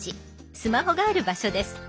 スマホがある場所です。